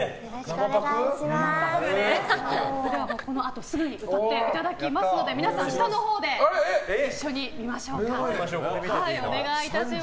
このあと、すぐに歌っていただきますので皆さん、下のほうで一緒に見ましょうか。